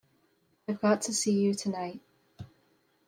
I've got to see you tonight.